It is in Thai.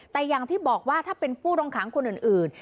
แต่อย่างที่บอกว่าถ้าเป็นผู้ต้องขังคนอื่น